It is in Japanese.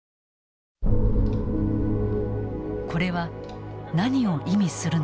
これは何を意味するのか。